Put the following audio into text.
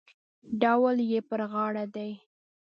ډول یې پر غاړه دی.